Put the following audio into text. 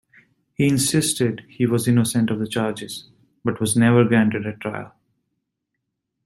He insisted he was innocent of the charges, but was never granted a trial.